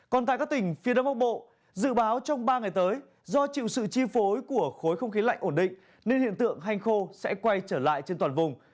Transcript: còn tại các tỉnh phía đông bắc bộ dự báo trong ba ngày tới do chịu sự chi phối của khối không khí lạnh ổn định nên hiện tượng hanh khô sẽ quay trở lại trên toàn vùng